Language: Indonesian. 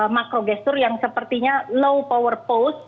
makrogestur yang sepertinya low power pose